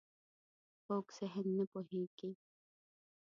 کوږ ذهن نه پوهېږي